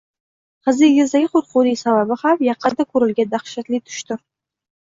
Qizingizdagi qo‘rquvining sababi ham – yaqinda ko‘rilgan dahshatli tushdir.